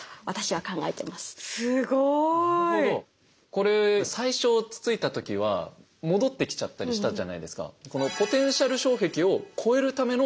これ最初つついた時は戻ってきちゃったりしたじゃないですか。